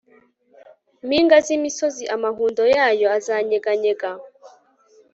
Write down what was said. mpinga z imisozi amahundo yayo azanyeganyega